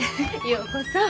ようこそ。